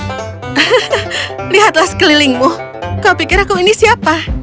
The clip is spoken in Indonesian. hahaha lihatlah sekelilingmu kau pikir aku ini siapa